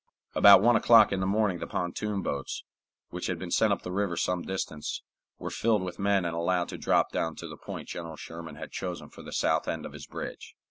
About one o'clock in the morning the pontoon boats, which had been sent up the river some distance, were filled with men and allowed to drop down to the point General Sherman had chosen for the south end of his bridge.